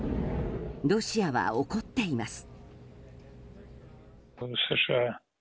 ロシアは怒っています。